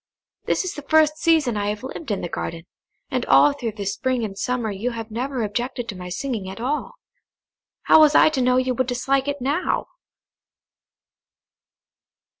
This is the first season I have lived in the garden, and all through the spring and summer you have never objected to my singing at all. How was I to know you would dislike it now?"